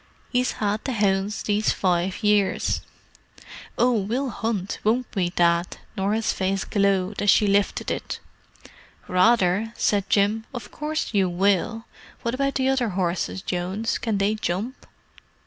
He's 'ad the 'ounds these five years." "Oh, we'll hunt, won't we, Dad?" Norah's face glowed as she lifted it. "Rather!" said Jim. "Of course you will. What about the other horses, Jones? Can they jump?"